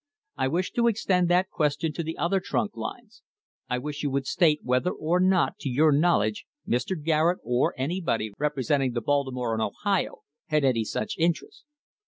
I wish to extend that question to the other trunk lines. I wish you would state whether or not to your knowledge Mr. Garrett, or any body representing the Baltimore and Ohio, had any such interest